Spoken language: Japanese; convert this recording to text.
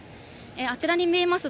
あちらに見えます